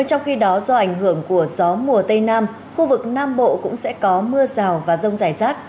trong khi đó do ảnh hưởng của gió mùa tây nam khu vực nam bộ cũng sẽ có mưa rào và rông rải rác